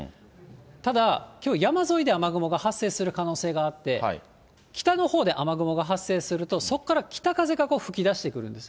ただ、きょう山沿いで雨雲が発生する可能性があって、北のほうで雨雲が発生すると、そこから北風が吹き出してくるんです。